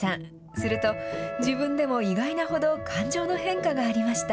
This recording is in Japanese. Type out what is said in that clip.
すると、自分でも意外なほど感情の変化がありました。